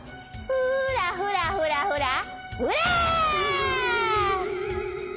フラフラフラフラフラ！